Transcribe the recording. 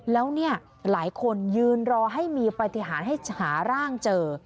แล้วเนี่ยหลายคนยืนรอให้มีปฏิหารให้หาร่างเจอ